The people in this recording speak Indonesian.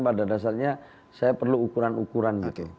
pada dasarnya saya perlu ukuran ukuran gitu